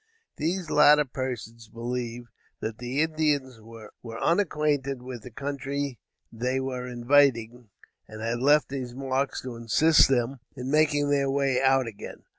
These latter persons believe that the Indians were unacquainted with the country they were invading, and had left these marks to assist them in making their way out again.